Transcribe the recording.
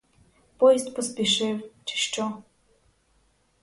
Поїзд поспішив, чи що.